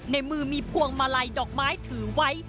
ในมือมีพวงมาลัยดอกไม้ถือไว้